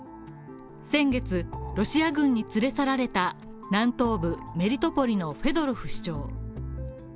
先月、ロシア軍に連れ去られた南東部メリトポリのフェドロフ市長。